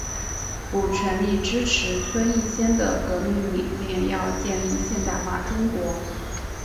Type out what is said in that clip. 古全力支持孙逸仙的革命理念要建立现代化中国。